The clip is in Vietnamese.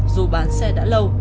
dù bán xe đã lâu